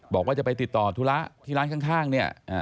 บอกว่าจะไปติดต่อธุระที่ร้านข้างเนี่ย